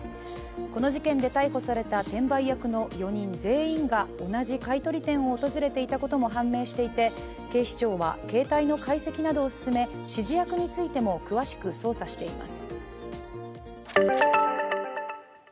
この事件で逮捕された転売役４人全員が同じ買い取り店を訪れていたことも判明していて警視庁は携帯の解析などを進め、指示役についても詳しく捜査しています。